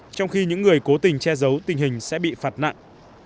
trong khi những người cố tình che giấu tình hình sẽ bị phạt nặng